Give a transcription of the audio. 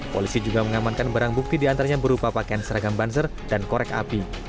polisi juga mengamankan barang bukti diantaranya berupa pakaian seragam banser dan korek api